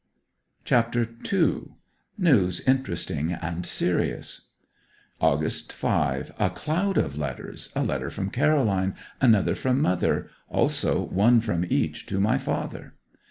CHAPTER II. NEWS INTERESTING AND SERIOUS August 5. A cloud of letters. A letter from Caroline, another from mother; also one from each to my father.